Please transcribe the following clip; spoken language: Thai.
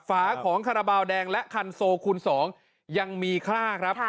ฝาของคาราบาลแดงและคันโซคูณ๒ยังมีค่าครับ